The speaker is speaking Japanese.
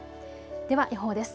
では予報です。